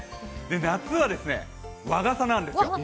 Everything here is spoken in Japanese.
夏は和傘なんですよ。